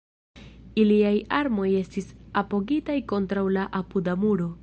Iliaj armoj estis apogitaj kontraŭ la apuda muro.